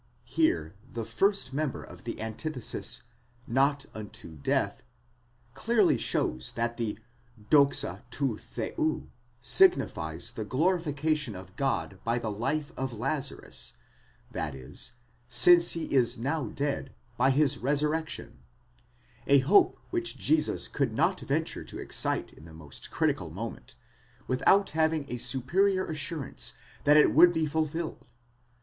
Here the first member of the anti thesis, xot unto death, clearly shows that the δόξα τοῦ θεοῦ signifies the glorifi cation of God by the life of Lazarus, that is, since he was now dead, by his resurrection: a hope which Jesus could not venture to excite in the most critical moment, without having a superior assurance that it would be fulfilled.